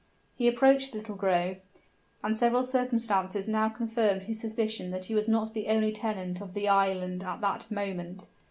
He approached the little grove; and several circumstances now confirmed his suspicion that he was not the only tenant of the island at that moment.